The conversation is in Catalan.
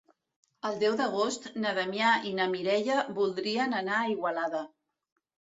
El deu d'agost na Damià i na Mireia voldrien anar a Igualada.